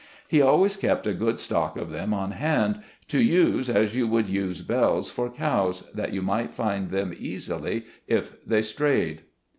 He always kept a good stock of them on hand, to use as you would use bells for cows, that you might find them easily, if they strayed.